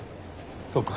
そうか。